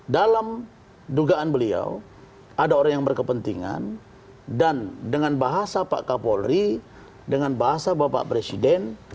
dalam dugaan beliau ada orang yang berkepentingan dan dengan bahasa pak kapolri dengan bahasa bapak presiden